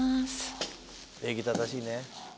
礼儀正しいね。